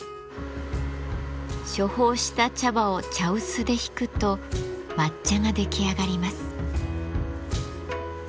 処方した茶葉を茶臼でひくと抹茶が出来上がります。